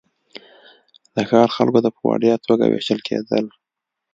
د ښار خلکو ته په وړیا توګه وېشل کېدل.